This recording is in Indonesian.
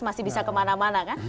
masih bisa kemana mana kan